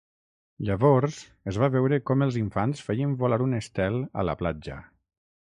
Llavors, es va veure com els infants feien volar un estel a la platja.